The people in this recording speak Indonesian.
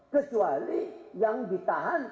kecuali yang ditahan